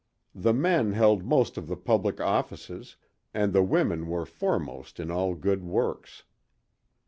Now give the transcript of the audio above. The men held most of the public offices, and the women were foremost in all good works.